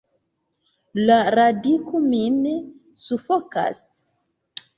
La radiko min sufokas!